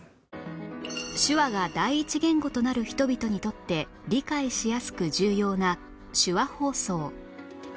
手話が第一言語となる人々にとって理解しやすく重要な手話放送